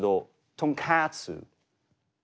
とんかつ。